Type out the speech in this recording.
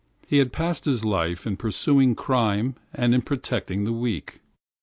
He had passed his life in pursuing crime and in protecting the weak.